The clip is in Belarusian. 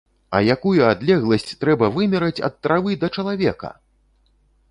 А якую адлегласць трэба вымераць ад травы да чалавека?!